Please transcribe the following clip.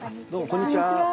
こんにちは。